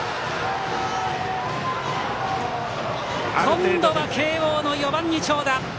今度は、慶応の４番に長打！